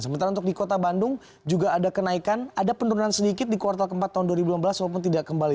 sementara untuk di kota bandung juga ada kenaikan ada penurunan sedikit di kuartal keempat tahun dua ribu lima belas walaupun tidak kembali